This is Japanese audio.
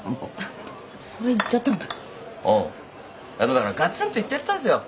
だからがつんと言ってやったんすよ。